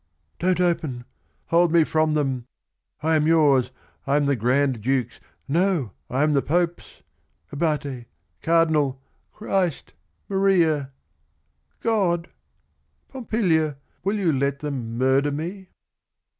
Don't open ! Hold me from them I I am yours, I am the Grandduke's — no, I am the Pope's 1 Abate, — Cardinal, — Christ, — Maria, — God, ... Pompilia, will you let them murde r me?"